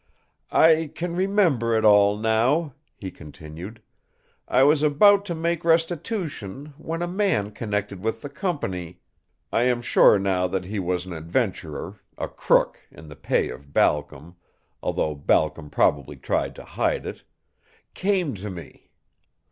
"I can remember it all now," he continued. "I was about to make restitution when a man connected with the company I am sure now that he was an adventurer, a crook, in the pay of Balcom, although Balcom probably tried to hide it came to me.